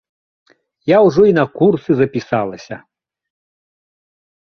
Я ўжо і на курсы запісалася.